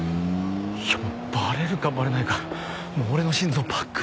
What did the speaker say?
いやバレるかバレないか俺の心臓バックバクで。